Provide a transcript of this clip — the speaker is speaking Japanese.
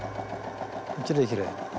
きれいきれい。